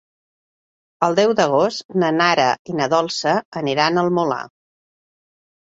El deu d'agost na Nara i na Dolça aniran al Molar.